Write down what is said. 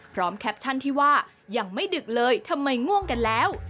แคปชั่นที่ว่ายังไม่ดึกเลยทำไมง่วงกันแล้ว